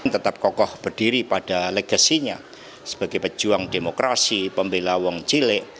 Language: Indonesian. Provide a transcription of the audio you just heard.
tetap kokoh berdiri pada legasinya sebagai pejuang demokrasi pembelawang cili